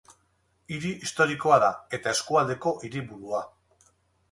Hiri historikoa da, eta eskualdeko hiriburua.